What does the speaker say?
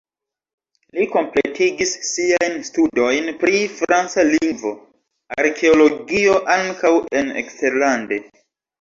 Li kompletigis siajn studojn pri franca lingvo, arkeologio ankaŭ en eksterlande.